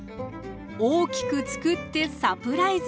大きくつくってサプライズ。